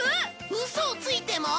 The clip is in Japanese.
ウソをついても！？